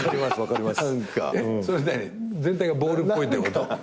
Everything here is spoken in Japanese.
全体がボールっぽいってこと？